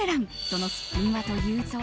そのすっぴんはというと。